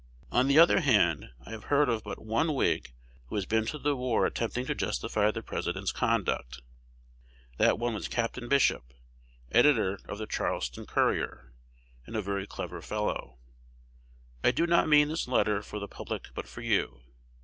On the other hand, I have heard of but one Whig who has been to the war attempting to justify the President's conduct. That one was Capt. Bishop; editor of "The Charleston Courier," and a very clever fellow. I do not mean this letter for the public, but for you.